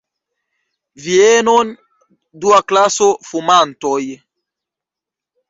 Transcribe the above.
Vienon, dua klaso, fumantoj!